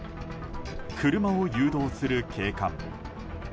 車を誘導する警官。